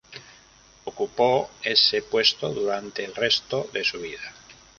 Ocupó ese puesto durante el resto de su vida.